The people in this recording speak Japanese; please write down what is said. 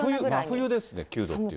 真冬ですね、９度っていうとね。